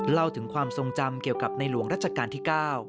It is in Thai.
เล่าถึงความทรงจำเกี่ยวกับในหลวงรัชกาลที่๙